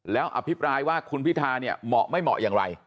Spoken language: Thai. แล้วอภิปรายว่าคุณพิธาเนี่ยเหมาะไม่เหมาะอย่างไร